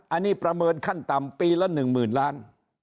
อันนี้ประเมินขั้นต่ำปีละ๑๐๐๐ล้าน